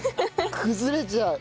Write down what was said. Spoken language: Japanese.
崩れちゃう。